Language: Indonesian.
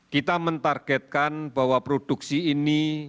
kita mentargetkan bahwa produksi ini